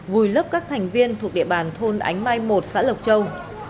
vùi lấp các thành viên thuộc địa bàn thôn ánh mai một xã lộc châu